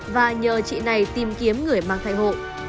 và nhờ chị này tìm kiếm người mang thai hộ